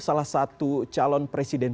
salah satu calon presidennya